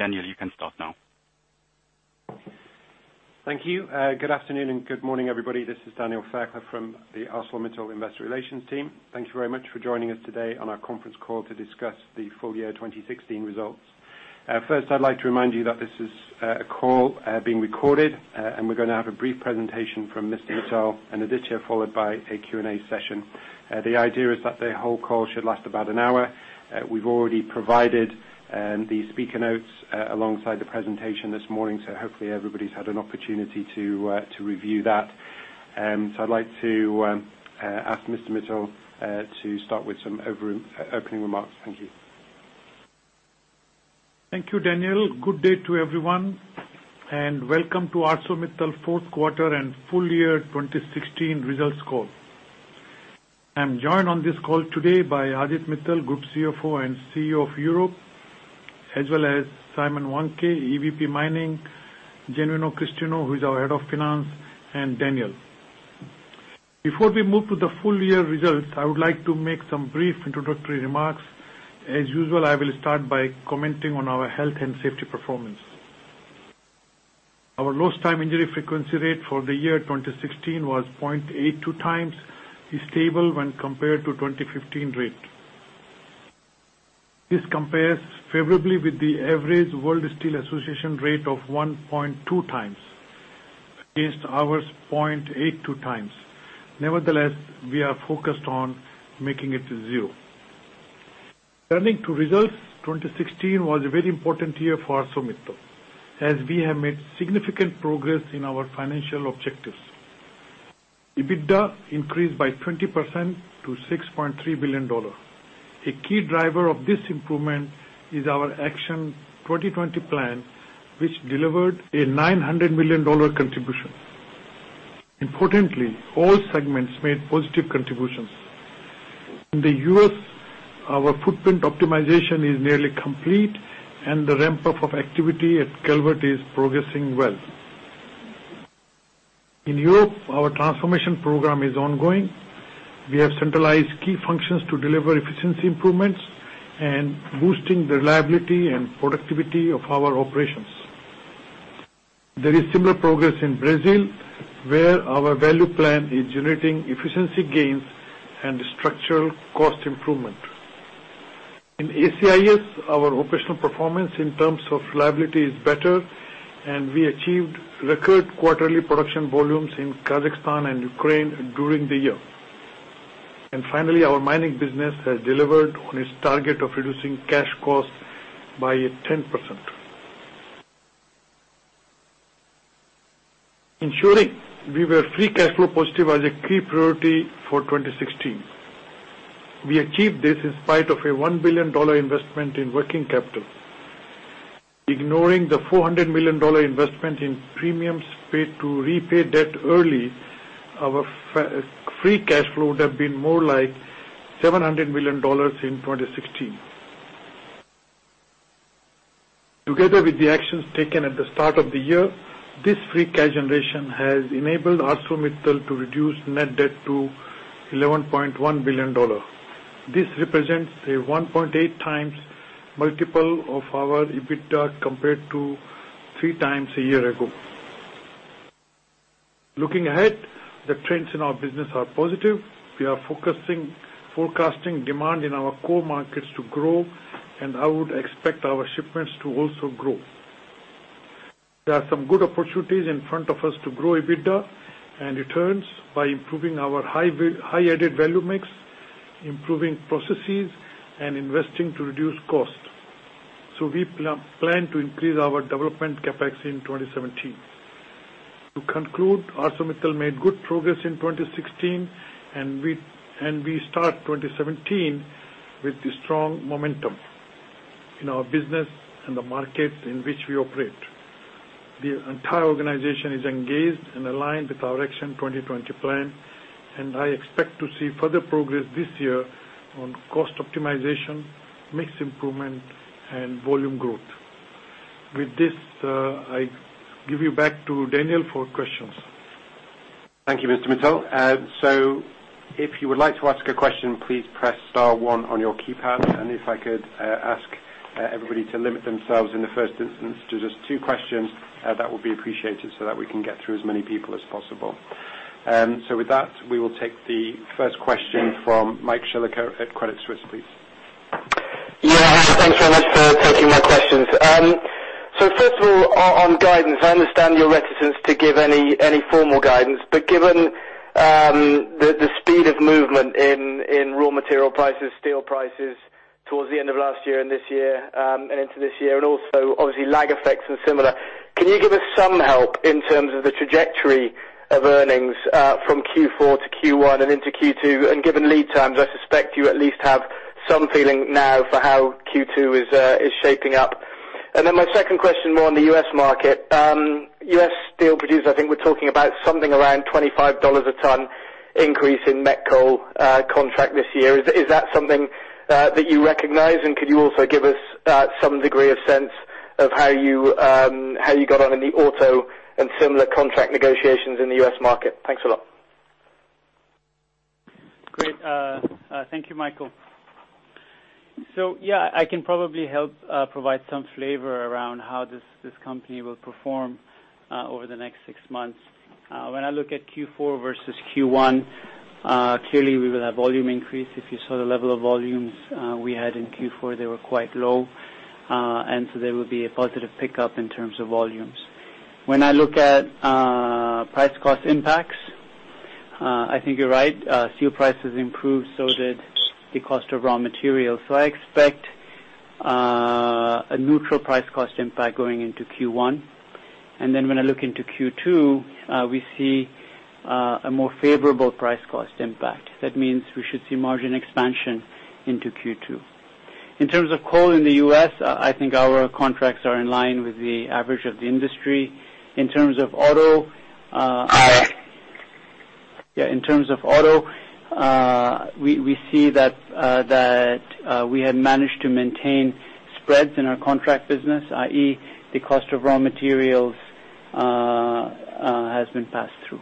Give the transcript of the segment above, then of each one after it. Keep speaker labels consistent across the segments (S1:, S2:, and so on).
S1: Daniel, you can start now.
S2: Thank you. Good afternoon, and good morning, everybody. This is Daniel Fairclough from the ArcelorMittal Investor Relations team. Thank you very much for joining us today on our conference call to discuss the full-year 2016 results. First, I'd like to remind you that this is a call being recorded, and we're going to have a brief presentation from Lakshmi Mittal and Aditya, followed by a Q&A session. The idea is that the whole call should last about an hour. We've already provided the speaker notes alongside the presentation this morning, so hopefully everybody's had an opportunity to review that. I'd like to ask Lakshmi Mittal to start with some opening remarks. Thank you.
S3: Thank you, Daniel. Good day to everyone, and welcome to ArcelorMittal fourth quarter and full-year 2016 results call. I'm joined on this call today by Aditya Mittal, Group CFO and CEO of Europe, as well as Simon Wandke, EVP Mining, Genuino Christino, who is our Head of Finance, and Daniel. Before we move to the full-year results, I would like to make some brief introductory remarks. As usual, I will start by commenting on our health and safety performance. Our lost time injury frequency rate for the year 2016 was 0.82 times. It's stable when compared to 2015 rate. This compares favorably with the average World Steel Association rate of 1.2 times against ours, 0.82 times. Nevertheless, we are focused on making it zero. Turning to results, 2016 was a very important year for ArcelorMittal, as we have made significant progress in our financial objectives. EBITDA increased by 20% to $6.3 billion. A key driver of this improvement is our Action 2020 plan, which delivered a $900 million contribution. Importantly, all segments made positive contributions. In the U.S., our footprint optimization is nearly complete, and the ramp-up of activity at Calvert is progressing well. In Europe, our transformation program is ongoing. We have centralized key functions to deliver efficiency improvements and boosting the reliability and productivity of our operations. There is similar progress in Brazil, where our value plan is generating efficiency gains and structural cost improvement. In ACIS, our operational performance in terms of reliability is better, and we achieved record quarterly production volumes in Kazakhstan and Ukraine during the year. Finally, our mining business has delivered on its target of reducing cash costs by 10%. Ensuring we were free cash flow positive was a key priority for 2016. We achieved this in spite of a $1 billion investment in working capital. Ignoring the $400 million investment in premiums paid to repay debt early, our free cash flow would have been more like $700 million in 2016. Together with the actions taken at the start of the year, this free cash generation has enabled ArcelorMittal to reduce net debt to $11.1 billion. This represents a 1.8 times multiple of our EBITDA compared to three times a year ago. Looking ahead, the trends in our business are positive. We are forecasting demand in our core markets to grow, and I would expect our shipments to also grow. There are some good opportunities in front of us to grow EBITDA and returns by improving our high added value mix, improving processes, and investing to reduce cost. We plan to increase our development CapEx in 2017. To conclude, ArcelorMittal made good progress in 2016. We start 2017 with the strong momentum in our business and the markets in which we operate. The entire organization is engaged and aligned with our Action 2020 plan. I expect to see further progress this year on cost optimization, mix improvement, and volume growth. With this, I give you back to Daniel for questions.
S2: Thank you, Lakshmi Mittal. If you would like to ask a question, please press star one on your keypad. If I could ask everybody to limit themselves in the first instance to just two questions, that would be appreciated so that we can get through as many people as possible. With that, we will take the first question from Michael Shillaker at Credit Suisse, please.
S4: Yeah. Thanks very much for taking my questions. First of all, on guidance, I understand your reticence to give any formal guidance. Given the speed of movement in raw material prices, steel prices towards the end of last year and into this year, and also obviously lag effects and similar, can you give us some help in terms of the trajectory of earnings from Q4 to Q1 and into Q2? Given lead times, I suspect you at least have some feeling now for how Q2 is shaping up. My second question, more on the U.S. market. U.S. steel producers, I think we're talking about something around $25 a ton increase in met coal contract this year. Is that something that you recognize, could you also give us some degree of sense of how you got on in the auto and similar contract negotiations in the U.S. market? Thanks a lot.
S5: Great. Thank you, Michael. Yeah, I can probably help provide some flavor around how this company will perform over the next six months. When I look at Q4 versus Q1, clearly we will have volume increase. If you saw the level of volumes we had in Q4, they were quite low. There will be a positive pickup in terms of volumes. When I look at price cost impacts, I think you're right. Steel prices improved, so did the cost of raw materials. I expect a neutral price cost impact going into Q1. When I look into Q2, we see a more favorable price cost impact. That means we should see margin expansion into Q2. In terms of coal in the U.S., I think our contracts are in line with the average of the industry. In terms of auto, we see that we had managed to maintain spreads in our contract business, i.e., the cost of raw materials has been passed through.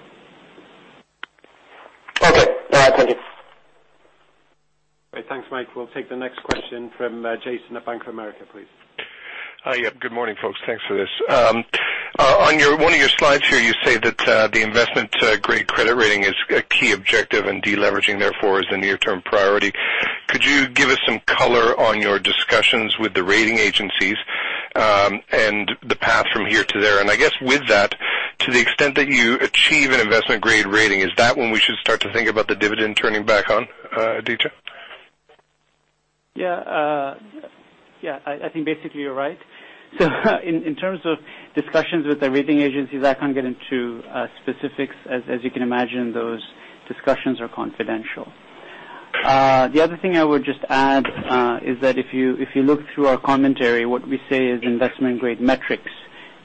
S4: Okay. Thank you.
S2: Great. Thanks, Mike. We'll take the next question from Jason at Bank of America, please.
S6: Hi. Good morning, folks. Thanks for this. On one of your slides here, you say that the investment-grade credit rating is a key objective, and de-leveraging, therefore, is the near-term priority. Could you give us some color on your discussions with the rating agencies, and the path from here to there? I guess with that, to the extent that you achieve an investment-grade rating, is that when we should start to think about the dividend turning back on, Aditya?
S5: I think basically you're right. In terms of discussions with the rating agencies, I can't get into specifics. As you can imagine, those discussions are confidential. The other thing I would just add is that if you look through our commentary, what we say is investment-grade metrics,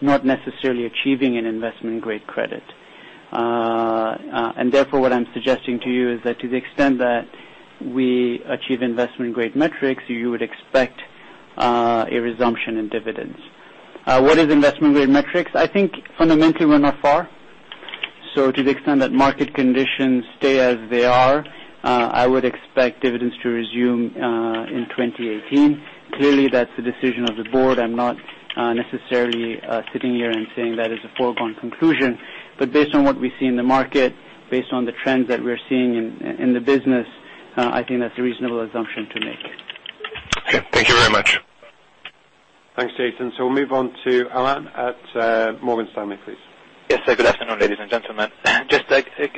S5: not necessarily achieving an investment-grade credit. Therefore, what I'm suggesting to you is that to the extent that we achieve investment-grade metrics, you would expect a resumption in dividends. What is investment-grade metrics? I think fundamentally we're not far. To the extent that market conditions stay as they are, I would expect dividends to resume in 2018. Clearly, that's the decision of the board. I'm not necessarily sitting here and saying that is a foregone conclusion. Based on what we see in the market, based on the trends that we're seeing in the business, I think that's a reasonable assumption to make.
S6: Okay. Thank you very much.
S2: Thanks, Jason. We'll move on to Alain at Morgan Stanley, please.
S7: Yes, sir. Good afternoon, ladies and gentlemen. Do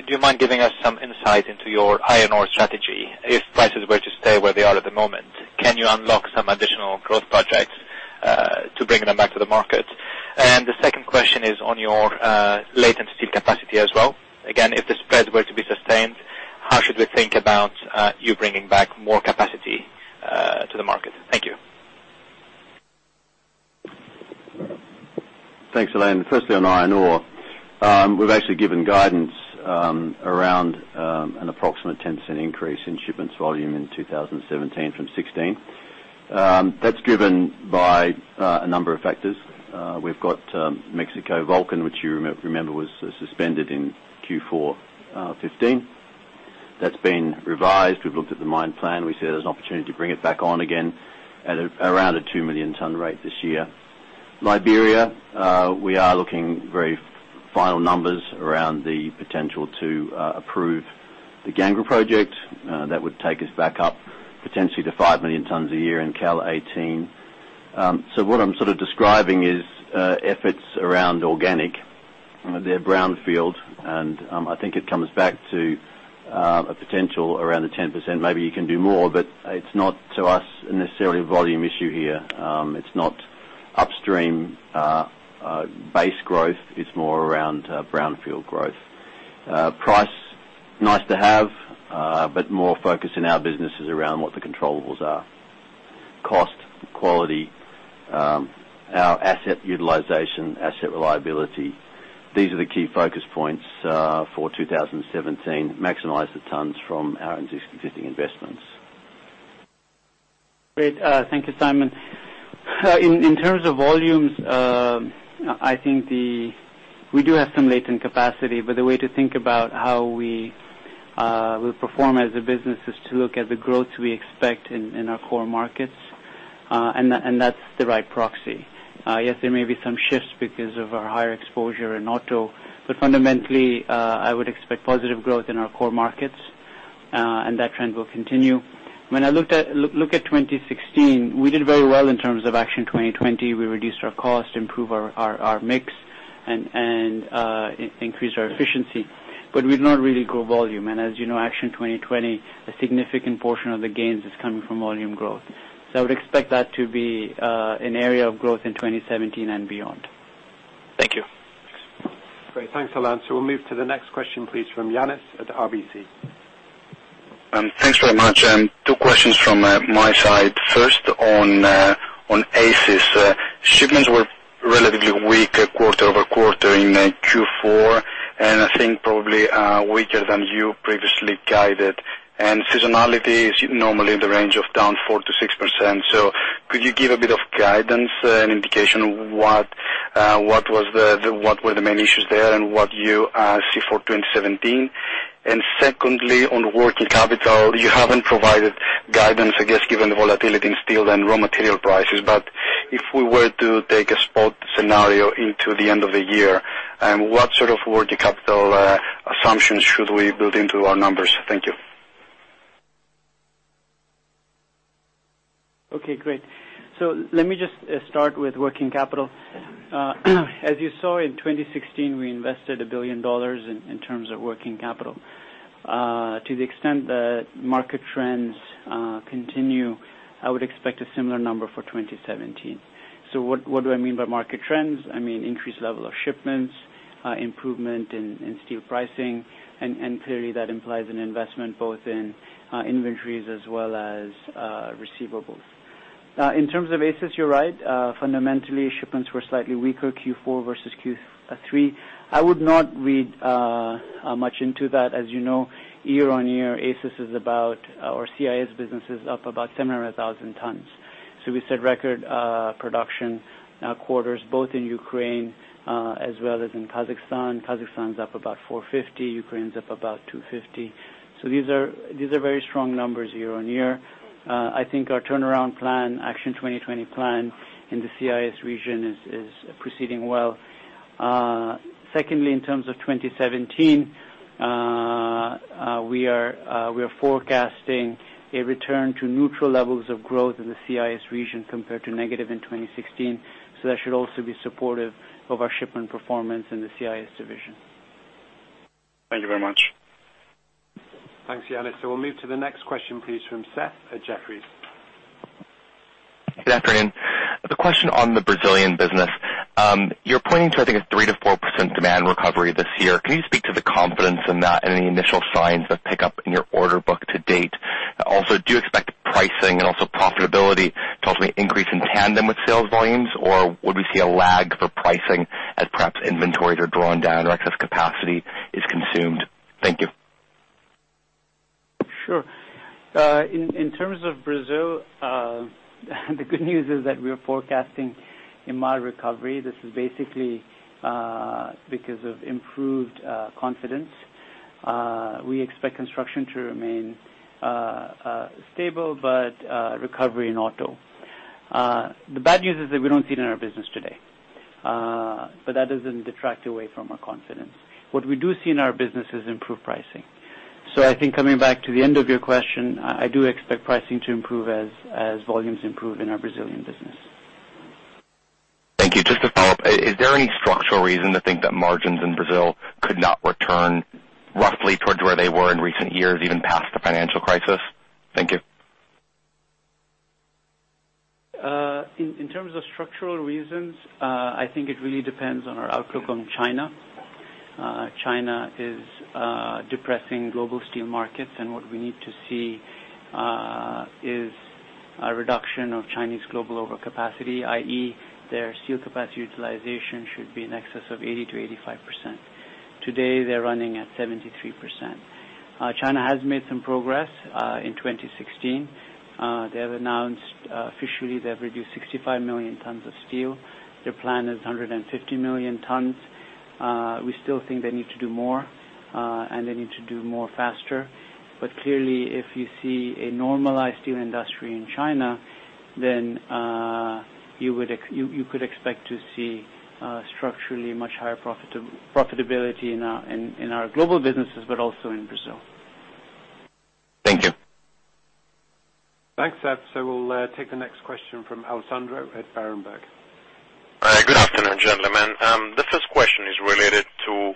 S7: you mind giving us some insight into your iron ore strategy? If prices were to stay where they are at the moment, can you unlock some additional growth projects to bring them back to the market? The second question is on your latent steel capacity as well. Again, if the spreads were to be sustained, how should we think about you bringing back more capacity to the market? Thank you.
S8: Thanks, Alain. Firstly, on iron ore. We've actually given guidance around an approximate 10% increase in shipments volume in 2017 from 2016. That's driven by a number of factors. We've got Mexico Volcan, which you remember was suspended in Q4 2015. That's been revised. We've looked at the mine plan. We see there's an opportunity to bring it back on again at around a 2 million ton rate this year. Liberia, we are looking very final numbers around the potential to approve the Gangra project. That would take us back up potentially to 5 million tons a year in cal 2018. What I'm sort of describing is efforts around organic. They're brownfield, and I think it comes back to a potential around the 10%. Maybe you can do more, but it's not, to us, necessarily a volume issue here. It's not upstream base growth. It's more around brownfield growth. Price, nice to have, more focus in our business is around what the controllables are. Cost, quality, our asset utilization, asset reliability. These are the key focus points for 2017. Maximize the tons from our existing investments.
S5: Great. Thank you, Simon. In terms of volumes, I think we do have some latent capacity, the way to think about how we will perform as a business is to look at the growth we expect in our core markets, that's the right proxy. Yes, there may be some shifts because of our higher exposure in auto. Fundamentally, I would expect positive growth in our core markets. That trend will continue. When I look at 2016, we did very well in terms of Action 2020. We reduced our cost, improved our mix, increased our efficiency. We did not really grow volume. As you know, Action 2020, a significant portion of the gains is coming from volume growth. I would expect that to be an area of growth in 2017 and beyond.
S7: Thank you.
S2: Great. Thanks, Alain. We'll move to the next question, please, from Yannis at RBC.
S9: Thanks very much. Two questions from my side. First, on ACIS. Shipments were relatively weak quarter-over-quarter in Q4, I think probably weaker than you previously guided. Seasonality is normally in the range of down 4%-6%. Could you give a bit of guidance and indication of what were the main issues there and what you see for 2017? Secondly, on working capital, you haven't provided guidance, I guess, given the volatility in steel and raw material prices. If we were to take a spot scenario into the end of the year, what sort of working capital assumptions should we build into our numbers? Thank you.
S5: Okay, great. Let me just start with working capital. As you saw in 2016, we invested $1 billion in terms of working capital. To the extent that market trends continue, I would expect a similar number for 2017. What do I mean by market trends? I mean increased level of shipments, improvement in steel pricing, and clearly that implies an investment both in inventories as well as receivables. In terms of ACIS, you're right. Fundamentally, shipments were slightly weaker Q4 versus Q3. I would not read much into that. As you know, year-on-year, ACIS is about, or CIS business is up about 700,000 tons. We set record production quarters, both in Ukraine, as well as in Kazakhstan. Kazakhstan's up about 450,000 tons. Ukraine's up about 250,000 tons. These are very strong numbers year-on-year. I think our turnaround plan, Action 2020 plan in the CIS region is proceeding well. Secondly, in terms of 2017, we are forecasting a return to neutral levels of growth in the CIS region compared to negative in 2016. That should also be supportive of our shipment performance in the CIS division.
S9: Thank you very much.
S2: Thanks, Yanis. We'll move to the next question, please, from Seth at Jefferies.
S10: Good afternoon. A question on the Brazilian business. You're pointing to, I think, a 3%-4% demand recovery this year. Can you speak to the confidence in that and any initial signs of pick up in your order book to date? Do you expect pricing and also profitability to ultimately increase in tandem with sales volumes, or would we see a lag for pricing as perhaps inventories are drawn down or excess capacity is consumed? Thank you.
S5: Sure. In terms of Brazil, the good news is that we are forecasting a mild recovery. This is basically because of improved confidence. We expect construction to remain stable, but a recovery in auto. The bad news is that we don't see it in our business today. That doesn't detract away from our confidence. What we do see in our business is improved pricing. I think coming back to the end of your question, I do expect pricing to improve as volumes improve in our Brazilian business.
S10: Thank you. Just to follow up, is there any structural reason to think that margins in Brazil could not return roughly towards where they were in recent years, even past the financial crisis? Thank you.
S5: In terms of structural reasons, I think it really depends on our outlook on China. China is depressing global steel markets, and what we need to see is a reduction of Chinese global overcapacity, i.e., their steel capacity utilization should be in excess of 80%-85%. Today, they're running at 73%. China has made some progress in 2016. They have announced officially they've reduced 65 million tons of steel. Their plan is 150 million tons. We still think they need to do more, and they need to do more faster. Clearly, if you see a normalized steel industry in China, then you could expect to see structurally much higher profitability in our global businesses, but also in Brazil.
S10: Thank you.
S2: Thanks, Seth. We'll take the next question from Alessandro at Berenberg.
S11: Good afternoon, gentlemen. The first question is related to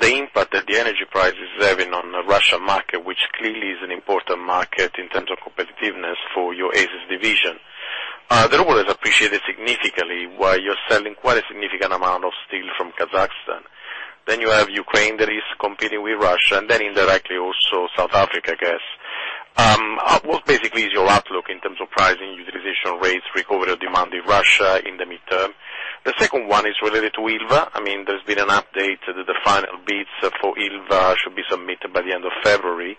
S11: the impact that the energy price is having on the Russian market, which clearly is an important market in terms of competitiveness for your ACIS division. The ruble has appreciated significantly while you're selling quite a significant amount of steel from Kazakhstan. You have Ukraine that is competing with Russia, and then indirectly also South Africa, I guess. What basically is your outlook in terms of pricing, utilization rates, recovery of demand in Russia in the midterm? The second one is related to Ilva. There's been an update that the final bids for Ilva should be submitted by the end of February.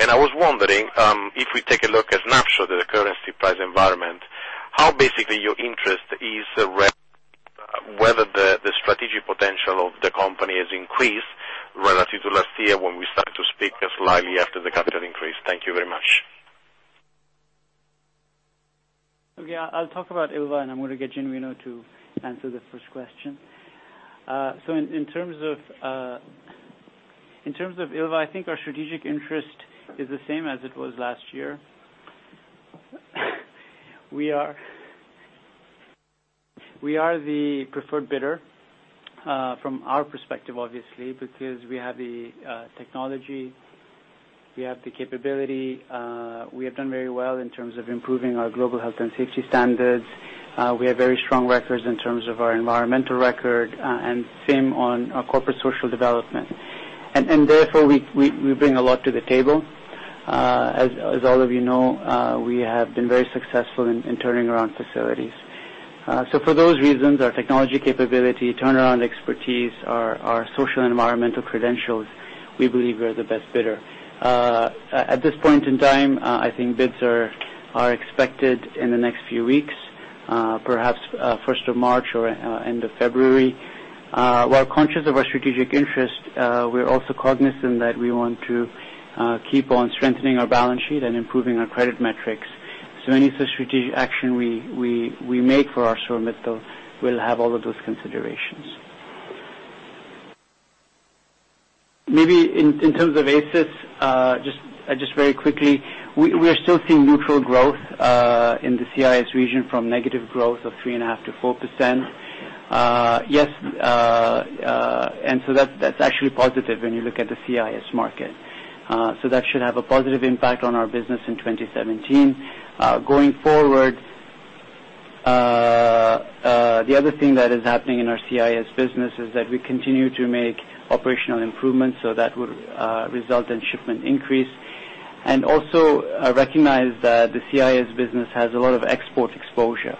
S11: I was wondering, if we take a look, a snapshot at the current steel price environment, how basically your interest is whether the strategic potential of the company has increased relative to last year when we started to speak slightly after the capital increase. Thank you very much.
S5: Okay. I'll talk about Ilva. I'm going to get Genuino to answer the first question. In terms of Ilva, I think our strategic interest is the same as it was last year. We are the preferred bidder, from our perspective, obviously, because we have the technology. We have the capability. We have done very well in terms of improving our global health and safety standards. We have very strong records in terms of our environmental record, and same on our corporate social development. Therefore, we bring a lot to the table. As all of you know, we have been very successful in turning around facilities. For those reasons, our technology capability, turnaround expertise, our social and environmental credentials. We believe we are the best bidder. At this point in time, I think bids are expected in the next few weeks, perhaps 1st of March or end of February. While conscious of our strategic interest, we are also cognizant that we want to keep on strengthening our balance sheet and improving our credit metrics. Any strategic action we make for ArcelorMittal will have all of those considerations. In terms of ACIS, just very quickly, we are still seeing neutral growth in the CIS region from negative growth of 3.5%-4%. That's actually positive when you look at the CIS market. That should have a positive impact on our business in 2017. Going forward, the other thing that is happening in our CIS business is that we continue to make operational improvements, that would result in shipment increase. Also, recognize that the CIS business has a lot of export exposure.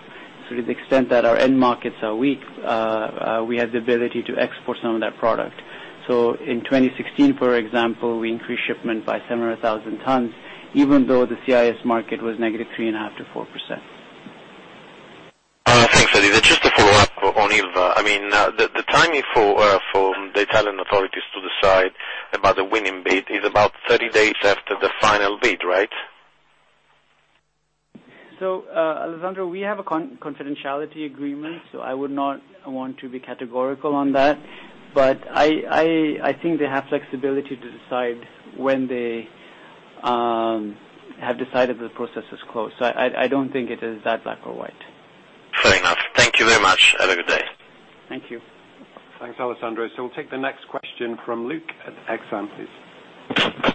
S5: To the extent that our end markets are weak, we have the ability to export some of that product. In 2016, for example, we increased shipment by 700,000 tons, even though the CIS market was negative 3.5%-4%.
S11: Thanks, Aditya. Just to follow up on Ilva. The timing for the Italian authorities to decide about the winning bid is about 30 days after the final bid, right?
S5: Alessandro, we have a confidentiality agreement, so I would not want to be categorical on that. I think they have flexibility to decide when they have decided the process is closed. I don't think it is that black or white.
S11: Fair enough. Thank you very much. Have a good day.
S5: Thank you.
S2: Thanks, Alessandro. We'll take the next question from Luc at Exane, please.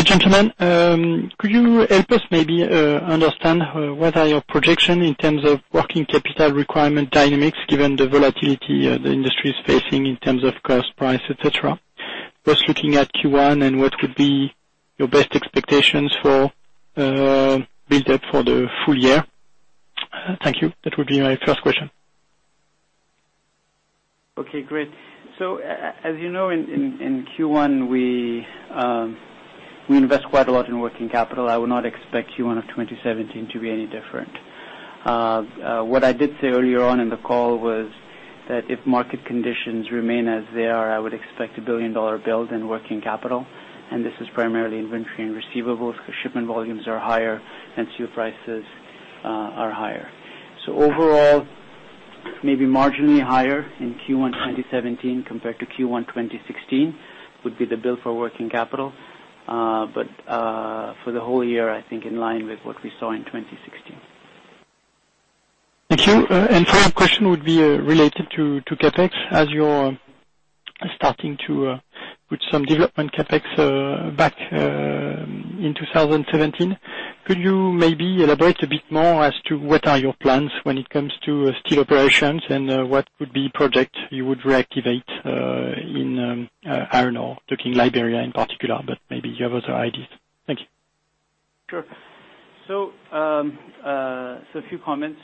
S12: Hi, gentlemen. Could you help us maybe understand what are your projection in terms of working capital requirement dynamics, given the volatility the industry is facing in terms of cost, price, et cetera? First looking at Q1 and what could be your best expectations for build-up for the full year? Thank you. That would be my first question.
S5: Okay, great. As you know, in Q1, we invest quite a lot in working capital. I would not expect Q1 of 2017 to be any different. What I did say earlier on in the call was that if market conditions remain as they are, I would expect a billion-dollar build in working capital, and this is primarily inventory and receivables because shipment volumes are higher and steel prices are higher. Overall, maybe marginally higher in Q1 2017 compared to Q1 2016 would be the build for working capital. For the whole year, I think in line with what we saw in 2016.
S12: Thank you. Follow-up question would be related to CapEx. As you're starting to put some development CapEx back in 2017, could you maybe elaborate a bit more as to what are your plans when it comes to steel operations and what would be project you would reactivate in, I don't know, looking Liberia in particular, but maybe you have other ideas. Thank you.
S5: Sure. A few comments.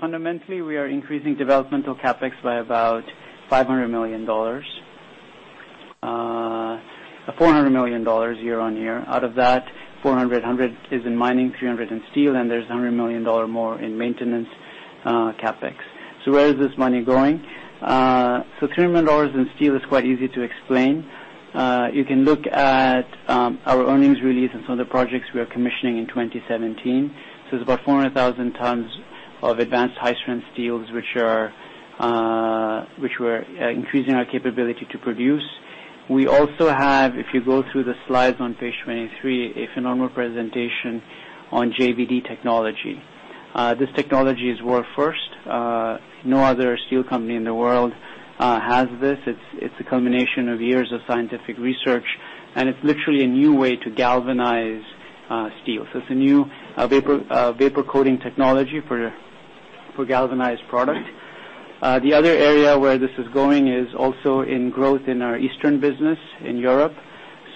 S5: Fundamentally, we are increasing developmental CapEx by about $500 million. $400 million year-over-year. Out of that, 400, 100 is in mining, 300 in steel, and there's $100 million more in maintenance CapEx. Where is this money going? $300 million in steel is quite easy to explain. You can look at our earnings release and some of the projects we are commissioning in 2017. It's about 400,000 tons of advanced high-strength steels, which we're increasing our capability to produce. We also have, if you go through the slides on page 23, a phenomenal presentation on JVD technology. This technology is world first. No other steel company in the world has this. It's a culmination of years of scientific research, and it's literally a new way to galvanize steel. It's a new vapor coating technology for galvanized product. The other area where this is going is also in growth in our eastern business in Europe.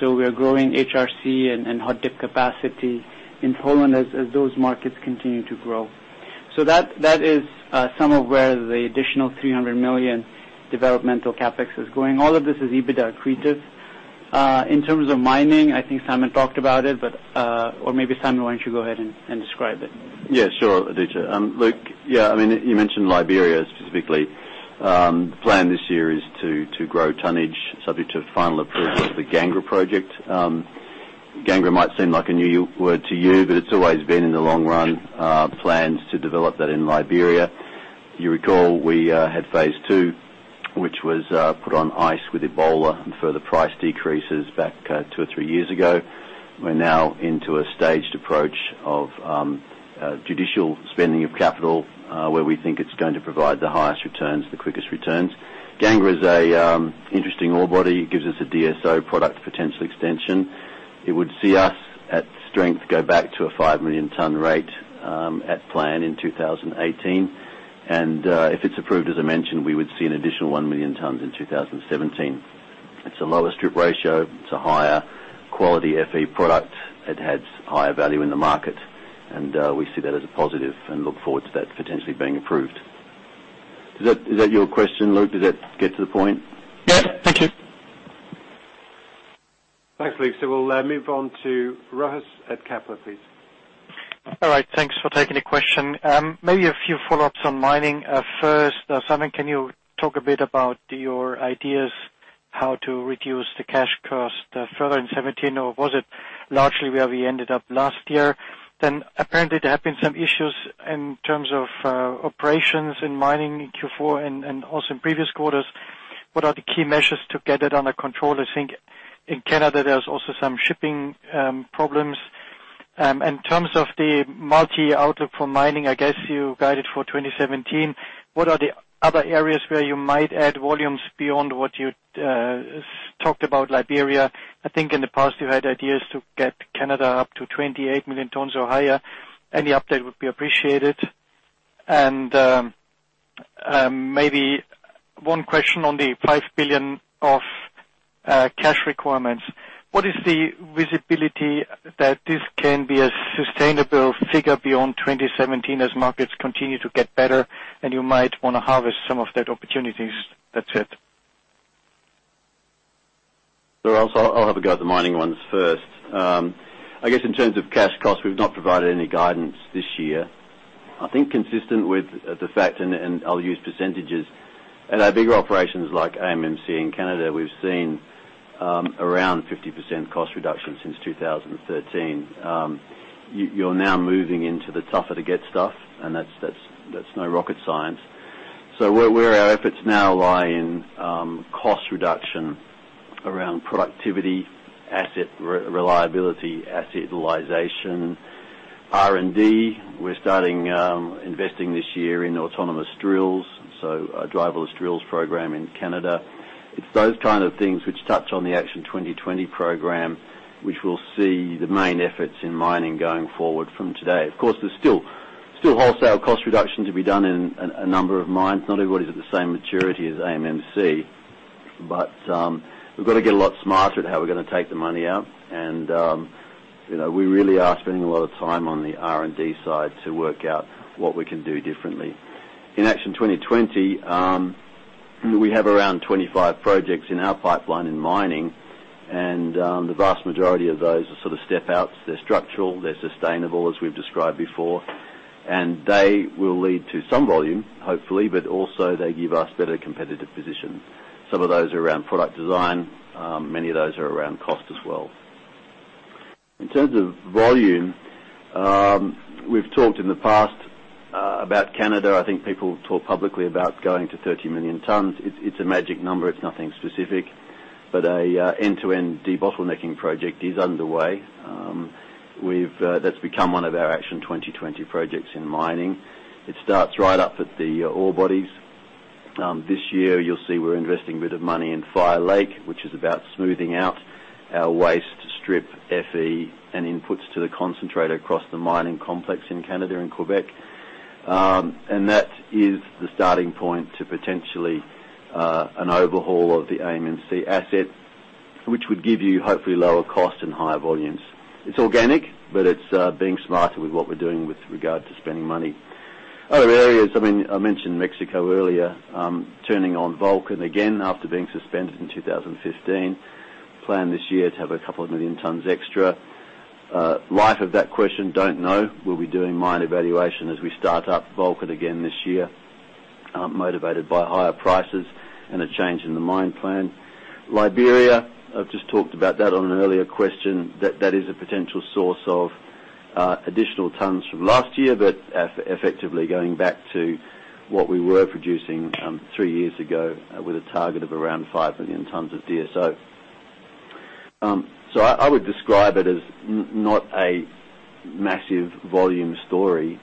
S5: We are growing HRC and hot dip capacity in Poland as those markets continue to grow. That is some of where the additional $300 million developmental CapEx is going. All of this is EBITDA accretive. In terms of mining, I think Simon talked about it, or maybe, Simon, why don't you go ahead and describe it?
S8: Yeah, sure, Aditya. Luc, you mentioned Liberia specifically. Plan this year is to grow tonnage subject to final approval of the Gangra project. Gangra might seem like a new word to you, but it's always been in the long run plans to develop that in Liberia. You recall we had phase two, which was put on ice with Ebola and further price decreases back two or three years ago. We're now into a staged approach of judicial spending of capital, where we think it's going to provide the highest returns, the quickest returns. Gangra is an interesting ore body. It gives us a DSO product potential extension. It would see us at strength go back to a 5 million ton rate at plan in 2018. If it's approved, as I mentioned, we would see an additional 1 million tons in 2017. It's a lower strip ratio. It's a higher quality FE product. It has higher value in the market, we see that as a positive and look forward to that potentially being approved. Is that your question, Luc? Does that get to the point?
S12: Yes. Thank you.
S2: Thanks, Luc. We'll move on to Rochus at Kepler, please.
S13: All right. Thanks for taking the question. Maybe a few follow-ups on mining. First, Simon, can you talk a bit about your ideas on how to reduce the cash cost further in 2017, or was it largely where we ended up last year? Apparently, there have been some issues in terms of operations in mining in Q4 and also in previous quarters. What are the key measures to get it under control? I think in Canada, there's also some shipping problems. In terms of the outlook for mining, I guess you guided for 2017. What are the other areas where you might add volumes beyond what you talked about Liberia? I think in the past you had ideas to get Canada up to 28 million tonnes or higher. Any update would be appreciated. Maybe one question on the $5 billion of cash requirements.
S1: What is the visibility that this can be a sustainable figure beyond 2017 as markets continue to get better and you might want to harvest some of that opportunities? That's it.
S8: Rochus, I'll have a go at the mining ones first. I guess in terms of cash costs, we've not provided any guidance this year. I think consistent with the fact, and I'll use percentages, at our bigger operations like AMMC in Canada, we've seen around 50% cost reduction since 2013. You're now moving into the tougher-to-get stuff, and that's no rocket science. Where our efforts now lie in cost reduction around productivity, asset reliability, asset utilization, R&D. We're starting investing this year in autonomous drills, so a driverless drills program in Canada. It's those kind of things which touch on the Action 2020 program, which will see the main efforts in mining going forward from today. Of course, there's still wholesale cost reduction to be done in a number of mines. Not everybody's at the same maturity as AMMC. We've got to get a lot smarter at how we're going to take the money out. We really are spending a lot of time on the R&D side to work out what we can do differently. In Action 2020, we have around 25 projects in our pipeline in mining, and the vast majority of those are sort of step-outs. They're structural, they're sustainable, as we've described before. They will lead to some volume, hopefully, but also they give us better competitive position. Some of those are around product design. Many of those are around cost as well. In terms of volume, we've talked in the past about Canada. I think people have talked publicly about going to 30 million tonnes. It's a magic number. It's nothing specific. An end-to-end debottlenecking project is underway. That's become one of our Action 2020 projects in mining. It starts right up at the ore bodies. This year, you'll see we're investing a bit of money in Fire Lake, which is about smoothing out our waste strip FE and inputs to the concentrate across the mining complex in Canada and Quebec. That is the starting point to potentially an overhaul of the AMMC asset, which would give you, hopefully, lower cost and higher volumes. It's organic, but it's being smarter with what we're doing with regard to spending money. Other areas, I mentioned Mexico earlier. Turning on Volcan again after being suspended in 2015. Plan this year to have a couple of million tonnes extra. Life of that question, don't know. We'll be doing mine evaluation as we start up Volcan again this year, motivated by higher prices and a change in the mine plan. Liberia, I've just talked about that on an earlier question. That is a potential source of additional tonnes from last year, but effectively going back to what we were producing three years ago with a target of around 5 million tonnes of DSO. I would describe it as not a massive volume story.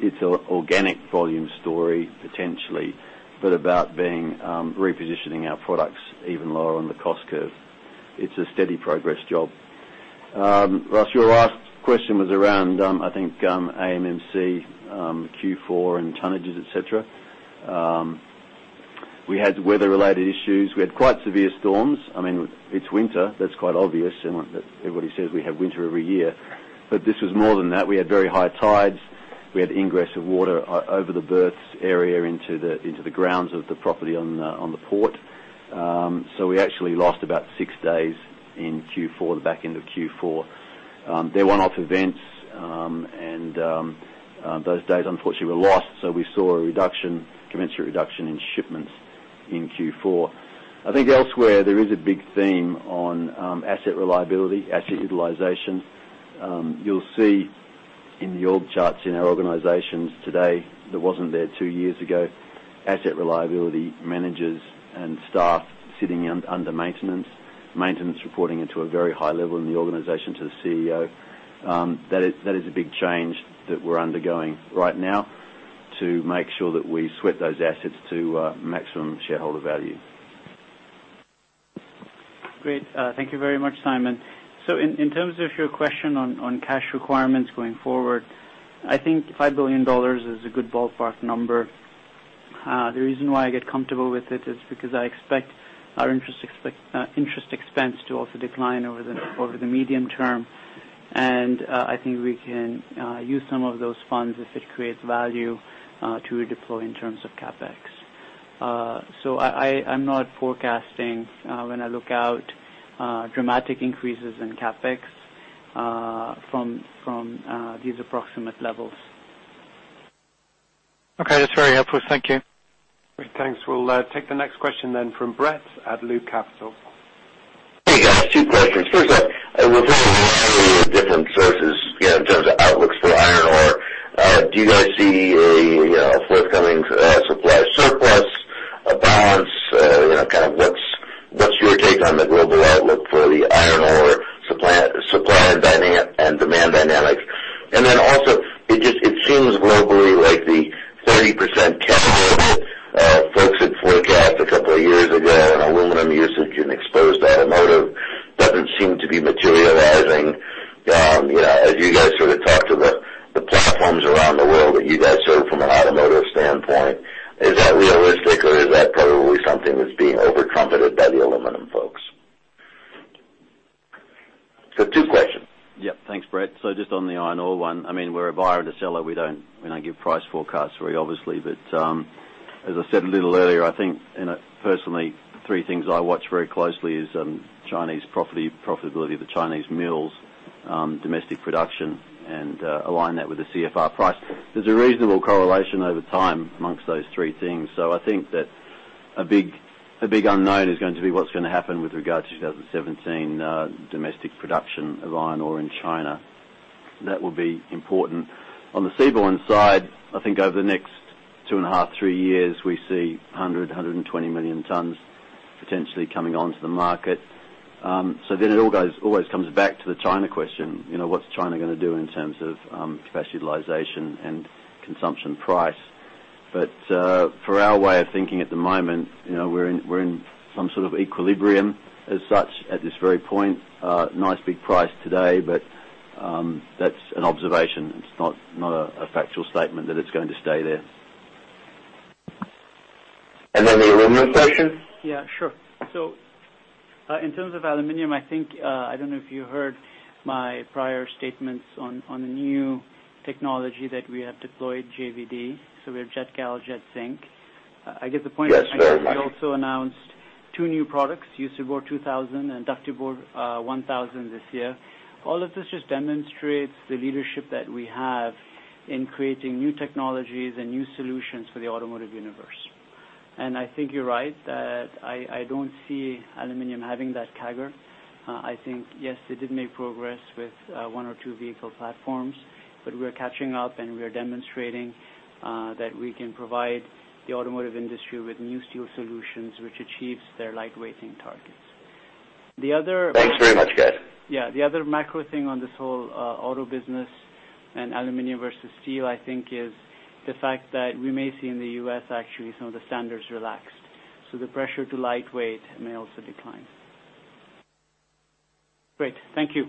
S8: It's an organic volume story, potentially, but about repositioning our products even lower on the cost curve. It's a steady progress job. Rochus, your last question was around, I think AMMC Q4 and tonnages, et cetera. We had weather-related issues. We had quite severe storms. It's winter. That's quite obvious, and everybody says we have winter every year. This was more than that. We had very high tides. We had ingress of water over the berths area into the grounds of the property on the port. We actually lost about six days in Q4, the back end of Q4. They're one-off events, those days, unfortunately, were lost. We saw a commensurate reduction in shipments in Q4. I think elsewhere, there is a big theme on asset reliability, asset utilization. You'll see in the org charts in our organizations today that wasn't there two years ago, asset reliability managers and staff sitting under maintenance. Maintenance reporting into a very high level in the organization to the CEO. That is a big change that we're undergoing right now to make sure that we sweat those assets to maximum shareholder value.
S5: Great. Thank you very much, Simon. In terms of your question on cash requirements going forward, I think $5 billion is a good ballpark number. The reason why I get comfortable with it is because I expect our interest expense to also decline over the medium term. I think we can use some of those funds if it creates value to deploy in terms of CapEx. I'm not forecasting when I look out dramatic increases in CapEx from these approximate levels.
S13: Okay. That's very helpful. Thank you.
S2: Great. Thanks. We'll take the next question from Brett at Loup Capital.
S14: Hey, guys. Two questions. First up, with all the variety of different sources in terms of outlooks for iron ore, do you guys see a forthcoming supply surplus, a balance? What's your take on the global outlook for the iron ore supply and demand dynamics? It seems globally like the 30% category that folks had forecast a couple of years ago on aluminum usage in exposed automotive doesn't seem to be materializing. As you guys sort of talk to the platforms around the world that you guys serve from an automotive standpoint, is that realistic or is that probably something that's being over trumpeted by the aluminum folks? Two questions.
S8: Yeah. Thanks, Brett. Just on the iron ore one, we're a buyer and a seller. We don't give price forecasts, very obviously. As I said a little earlier, I think personally, three things I watch very closely is profitability of the Chinese mills, domestic production, and align that with the CFR price. There's a reasonable correlation over time amongst those three things. I think that a big unknown is going to be what's going to happen with regard to 2017 domestic production of iron ore in China. That will be important. On the seaborne side, I think over the next two and a half, three years, we see 100, 120 million tons potentially coming onto the market. It always comes back to the China question. What's China going to do in terms of capacity utilization and consumption price? For our way of thinking at the moment, we're in some sort of equilibrium as such at this very point. Nice big price today, but that's an observation. It's not a factual statement that it's going to stay there.
S14: the aluminum question?
S5: In terms of aluminum, I don't know if you heard my prior statements on the new technology that we have deployed, JVD. We have Jetgal, JetZinc.
S14: Yes, very much.
S5: We also announced two new products, Usibor 2000 and Ductibor 1000 this year. All of this just demonstrates the leadership that we have in creating new technologies and new solutions for the automotive universe. I think you're right that I don't see aluminum having that CAGR. I think, yes, they did make progress with one or two vehicle platforms, but we're catching up, and we are demonstrating that we can provide the automotive industry with new steel solutions, which achieves their lightweighting targets.
S14: Thanks very much, guys.
S5: Yeah. The other macro thing on this whole auto business and aluminum versus steel, I think, is the fact that we may see in the U.S., actually, some of the standards relaxed. The pressure to lightweight may also decline. Great. Thank you.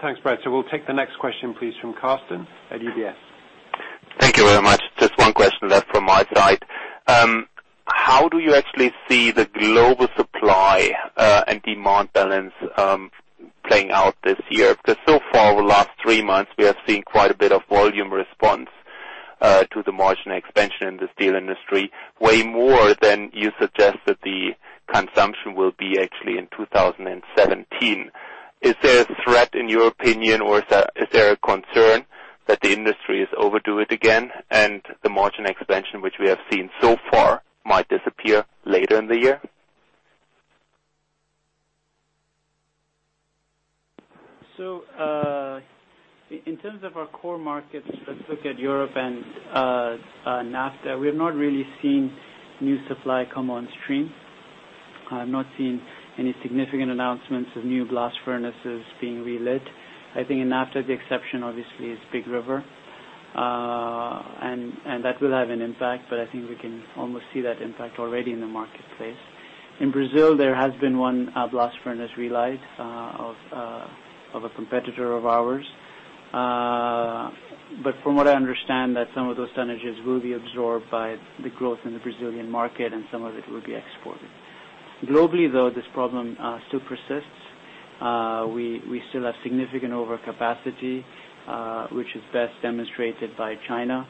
S2: Thanks, Brett. We'll take the next question, please, from Carsten at UBS.
S15: Thank you very much. Just one question left from my side. How do you actually see the global supply and demand balance playing out this year? So far, over the last three months, we have seen quite a bit of volume response to the margin expansion in the steel industry, way more than you suggested the consumption will be actually in 2017. Is there a threat, in your opinion, or is there a concern that the industry is overdue again, and the margin expansion, which we have seen so far, might disappear later in the year?
S5: In terms of our core markets, let's look at Europe and NAFTA. We have not really seen new supply come on stream. I've not seen any significant announcements of new blast furnaces being relit. I think in NAFTA, the exception, obviously, is Big River. That will have an impact, but I think we can almost see that impact already in the marketplace. In Brazil, there has been one blast furnace relight of a competitor of ours. From what I understand, that some of those tonnages will be absorbed by the growth in the Brazilian market, and some of it will be exported. Globally, though, this problem still persists. We still have significant overcapacity, which is best demonstrated by China.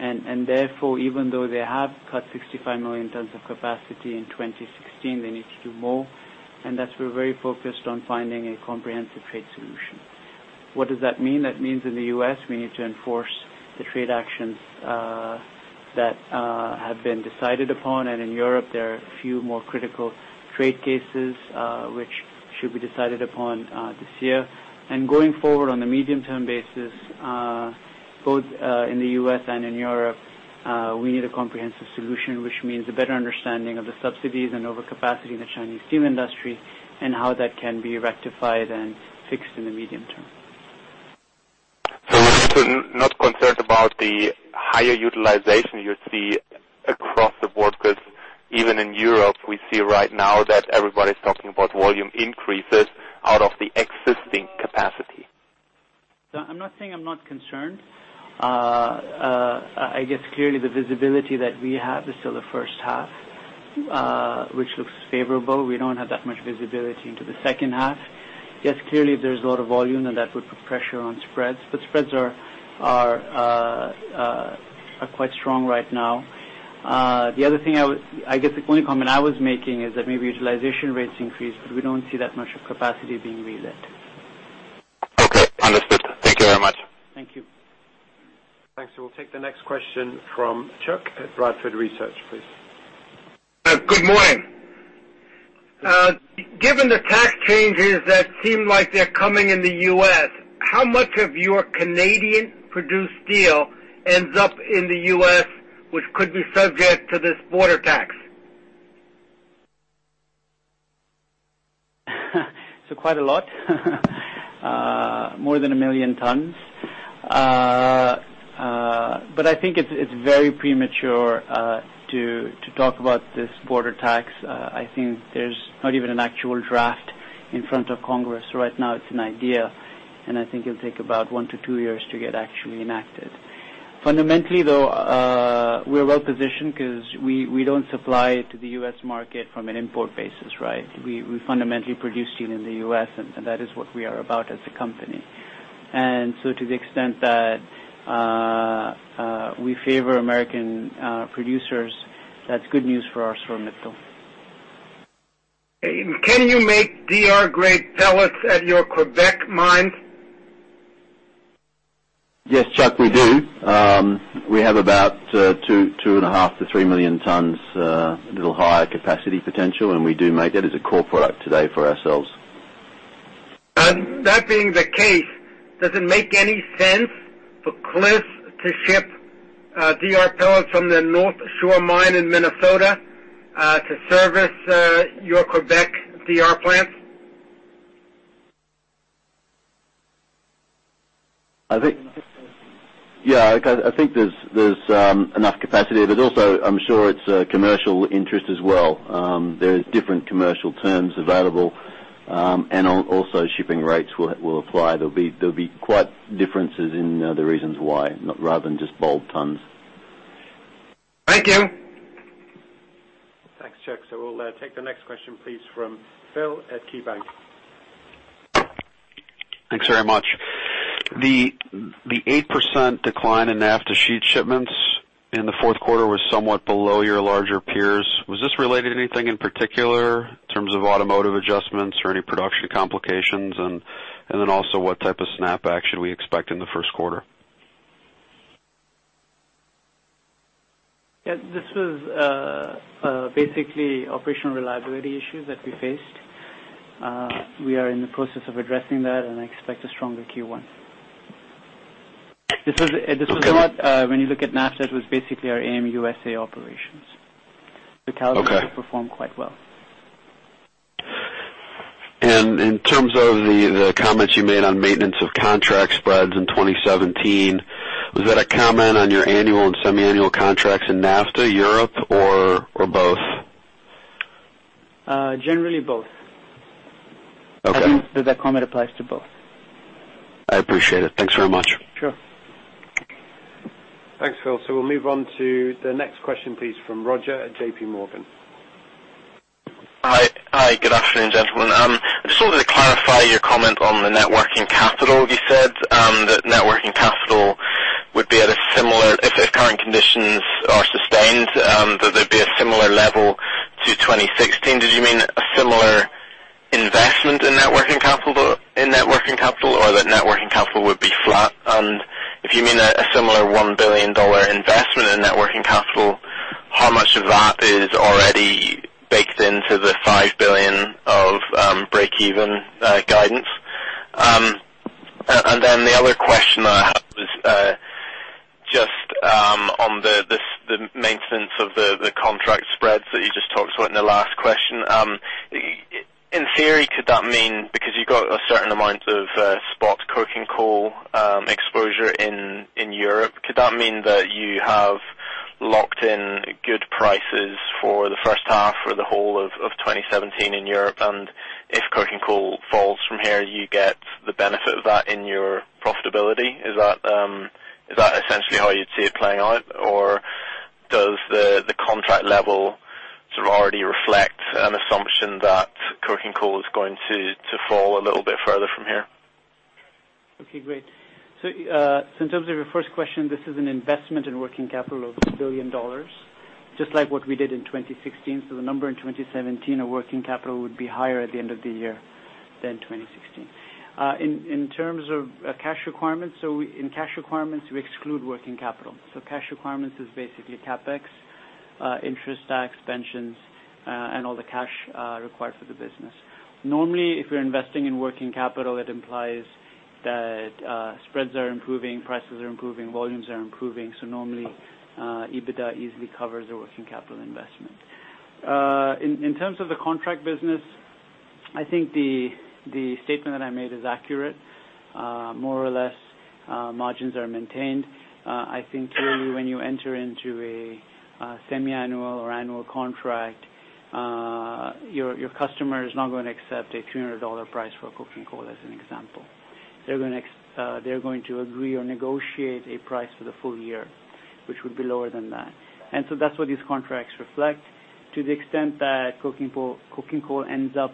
S5: Therefore, even though they have cut 65 million tons of capacity in 2016, they need to do more. That's we're very focused on finding a comprehensive trade solution. What does that mean? That means in the U.S., we need to enforce the trade actions that have been decided upon. In Europe, there are a few more critical trade cases, which should be decided upon this year. Going forward on a medium-term basis, both in the U.S. and in Europe, we need a comprehensive solution, which means a better understanding of the subsidies and overcapacity in the Chinese steel industry and how that can be rectified and fixed in the medium term.
S15: You're not concerned about the higher utilization you see across the board? Because even in Europe, we see right now that everybody's talking about volume increases out of the existing capacity.
S5: I'm not saying I'm not concerned. I guess clearly the visibility that we have is still the first half, which looks favorable. We don't have that much visibility into the second half. Yes, clearly, there's a lot of volume, and that would put pressure on spreads, but spreads are quite strong right now. The only comment I was making is that maybe utilization rates increase, but we don't see that much of capacity being released.
S15: Okay. Understood. Thank you very much.
S5: Thank you.
S2: Thanks. We'll take the next question from Chuck at Bradford Research, please.
S16: Good morning. Given the tax changes that seem like they're coming in the U.S., how much of your Canadian-produced steel ends up in the U.S., which could be subject to this border tax?
S5: Quite a lot. More than 1 million tons. I think it is very premature to talk about this border tax. I think there is not even an actual draft in front of Congress right now. It is an idea. I think it will take about one to two years to get actually enacted. Fundamentally, though, we are well-positioned because we do not supply to the U.S. market from an import basis, right? We fundamentally produce steel in the U.S., and that is what we are about as a company. To the extent that we favor American producers, that is good news for ArcelorMittal.
S16: Can you make DR-grade pellets at your Quebec mine?
S8: Yes, Chuck, we do. We have about 2.5 to 3 million tons, a little higher capacity potential. We do make that as a core product today for ourselves.
S16: That being the case, does it make any sense for Cleveland-Cliffs to ship DR pellets from the North Shore mine in Minnesota to service your Quebec DR plant?
S8: I think there's enough capacity there. Also, I'm sure it's commercial interest as well. There's different commercial terms available. Also, shipping rates will apply. There'll be quite differences in the reasons why, rather than just bulk tons.
S16: Thank you.
S2: Thanks, Chuck. We'll take the next question, please, from Phil at KeyBank.
S17: Thanks very much. The 8% decline in NAFTA sheet shipments in the fourth quarter was somewhat below your larger peers. Was this related to anything in particular in terms of automotive adjustments or any production complications? Also, what type of snapback should we expect in the first quarter?
S5: Yes, this was basically operational reliability issues that we faced. We are in the process of addressing that, and I expect a stronger Q1.
S17: Okay.
S5: When you look at NAFTA, it was basically our ArcelorMittal USA operations.
S17: Okay.
S5: The Calvert have performed quite well.
S17: In terms of the comments you made on maintenance of contract spreads in 2017, was that a comment on your annual and semi-annual contracts in NAFTA, Europe, or both?
S5: Generally both.
S17: Okay.
S5: I think that that comment applies to both.
S17: I appreciate it. Thanks very much.
S5: Sure.
S2: Thanks, Phil. We'll move on to the next question, please, from Roger at JPMorgan.
S18: Hi. Good afternoon, gentlemen. I just wanted to clarify your comment on the net working capital. You said that net working capital, if current conditions are sustained, that there'd be a similar level to 2016. Did you mean a similar investment in net working capital, or that net working capital would be flat? If you mean a similar $1 billion investment in net working capital, how much of that is already baked into the $5 billion of breakeven guidance? The other question I have is just on the maintenance of the contract spreads that you just talked about in the last question. In theory, because you got a certain amount of spot coking coal exposure in Europe, could that mean that you have locked in good prices for the first half or the whole of 2017 in Europe? If coking coal falls from here, you get the benefit of that in your profitability? Is that essentially how you'd see it playing out, or does the contract level already reflect an assumption that coking coal is going to fall a little bit further from here?
S5: Okay, great. In terms of your first question, this is an investment in working capital of $1 billion, just like what we did in 2016. The number in 2017 of working capital would be higher at the end of the year than 2016. In terms of cash requirements, in cash requirements, we exclude working capital. Cash requirements is basically CapEx, interest, tax, pensions, and all the cash required for the business. Normally, if you're investing in working capital, it implies that spreads are improving, prices are improving, volumes are improving. Normally, EBITDA easily covers the working capital investment. In terms of the contract business, I think the statement that I made is accurate. More or less, margins are maintained. I think clearly when you enter into a semi-annual or annual contract, your customer is not going to accept a $300 price for a coking coal, as an example. They're going to agree or negotiate a price for the full year, which would be lower than that. That's what these contracts reflect. To the extent that coking coal ends up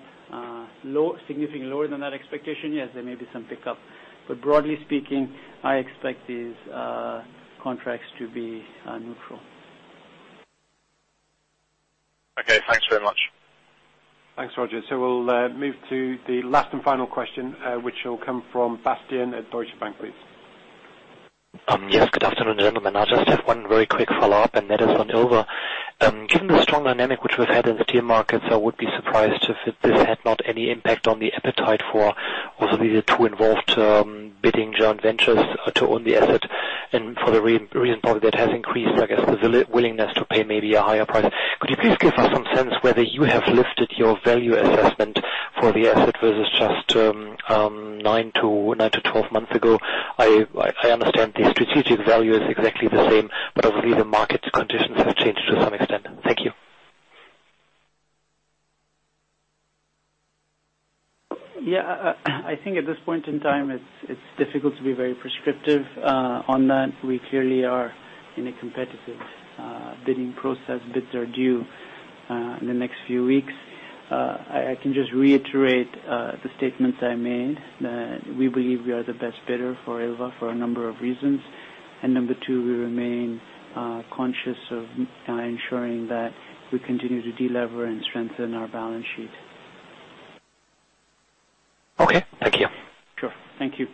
S5: significantly lower than that expectation, yes, there may be some pickup. Broadly speaking, I expect these contracts to be neutral.
S18: Okay, thanks very much.
S2: Thanks, Roger. We'll move to the last and final question, which will come from Bastian at Deutsche Bank, please.
S19: Yes, good afternoon, gentlemen. I just have one very quick follow-up, and that is on Ilva. Given the strong dynamic which we've had in the tier markets, I would be surprised if this had not any impact on the appetite for also the two involved bidding joint ventures to own the asset. For the reason, probably that has increased, I guess, the willingness to pay maybe a higher price. Could you please give us some sense whether you have lifted your value assessment for the asset versus just 9 to 12 months ago? I understand the strategic value is exactly the same, but obviously, the market conditions have changed to some extent. Thank you.
S5: Yeah. I think at this point in time, it's difficult to be very prescriptive on that. We clearly are in a competitive bidding process. Bids are due in the next few weeks. I can just reiterate the statements I made, that we believe we are the best bidder for Ilva for a number of reasons. Number 2, we remain conscious of ensuring that we continue to de-lever and strengthen our balance sheet.
S19: Okay, thank you.
S5: Sure. Thank you.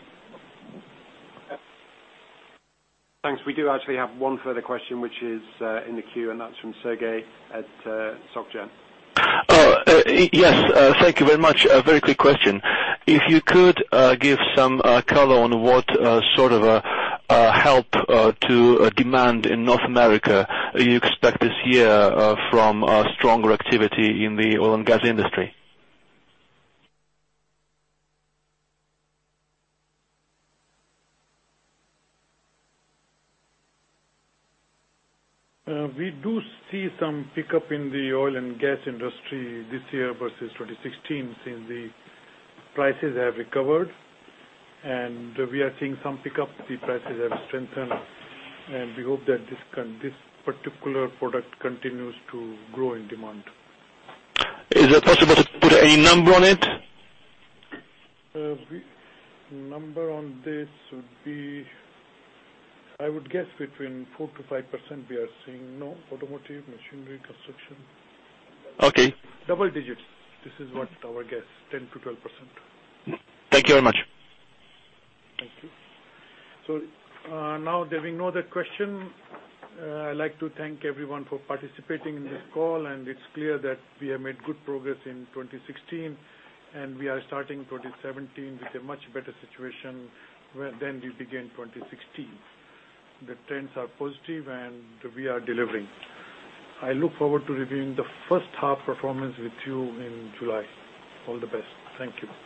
S2: Thanks. We do actually have one further question, which is in the queue, and that's from Sergey at SocGen.
S20: Oh, yes. Thank you very much. A very quick question. If you could give some color on what sort of help to demand in North America you expect this year from stronger activity in the oil and gas industry.
S3: We do see some pickup in the oil and gas industry this year versus 2016, since the prices have recovered and we are seeing some pickup. The prices have strengthened, and we hope that this particular product continues to grow in demand.
S20: Is it possible to put any number on it?
S3: A number on this would be, I would guess between 4%-5% we are seeing. No, automotive, machinery, construction.
S20: Okay.
S3: Double digits. This is what our guess, 10%-12%.
S20: Thank you very much.
S3: Thank you. Now there being no other question, I'd like to thank everyone for participating in this call, and it's clear that we have made good progress in 2016, and we are starting 2017 with a much better situation than we began 2016. The trends are positive, and we are delivering. I look forward to reviewing the first half performance with you in July. All the best. Thank you.